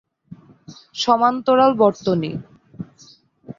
সমান্তরাল বর্তনী।